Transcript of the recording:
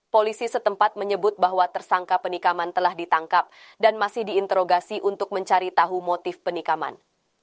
polisi setempat menyebut bahwa tersangka penikaman telah ditangkap dan masih diinterogasi untuk mencari tahu motif penikaman